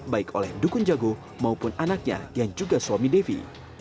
baik oleh dukun jago maupun anaknya yang juga suami devi